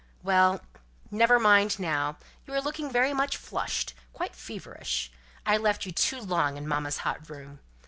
"Well, never mind now. You are looking very much flushed; quite feverish! I left you too long in mamma's hot room.